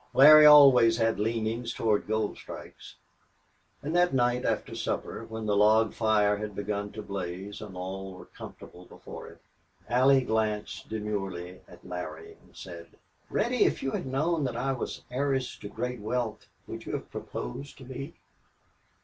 Larry always had leanings toward gold strikes." And that night, after supper, when the log fire had begun to blaze, and all were comfortable before it, Allie glanced demurely at Larry and said: "Reddy, if you had known that I was heiress to great wealth, would you have proposed to me?"